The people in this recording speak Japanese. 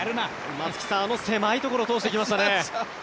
松木さんあの狭いところを通してきましたね。